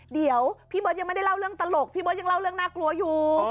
เดี๋ยวพี่เบิร์ตยังไม่ได้เล่าเรื่องตลกพี่เบิร์ตยังเล่าเรื่องน่ากลัวอยู่